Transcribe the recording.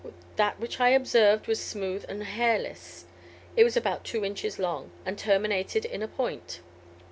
That which I observed was smooth and hairless. It was about two inches long, and terminated in a point.